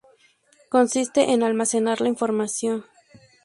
Consiste en almacenar la información.